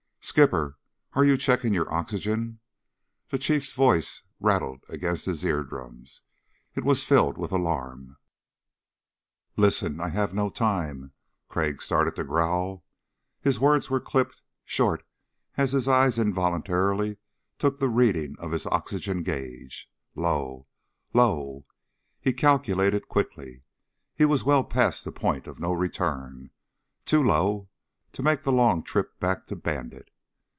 "Skipper, are you checking your oxygen?" The Chief's voice rattled against his eardrums. It was filled with alarm. "Listen, I have no time " Crag started to growl. His words were clipped short as his eyes involuntarily took the reading of his oxygen gauge. Low ... low. He calculated quickly. He was well past the point of no return too low to make the long trip back to Bandit.